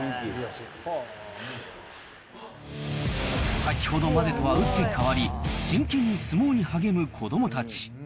先ほどまでとは打って変わり、真剣に相撲に励む子どもたち。